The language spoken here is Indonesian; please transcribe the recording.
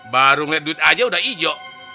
baru ngeliat duit aja udah ijo